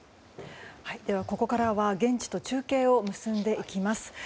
ここからは現地と中継を結んでいきます。